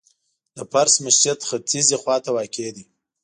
د فرش مسجد ختیځي خواته واقع دی.